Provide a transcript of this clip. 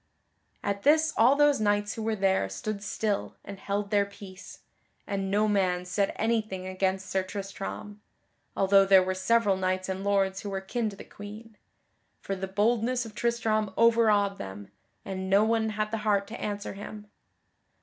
At this all those knights who were there stood still and held their peace, and no man said anything against Sir Tristram (although there were several knights and lords who were kin to the Queen), for the boldness of Tristram overawed them, and no one had the heart to answer him.